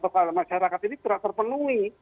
kepala masyarakat ini tidak terpenuhi